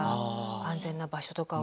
安全な場所とかを。